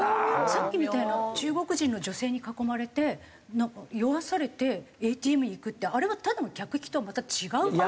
さっきみたいの中国人の女性に囲まれて酔わされてＡＴＭに行くってあれはただの客引きとはまた違う犯罪ですよね？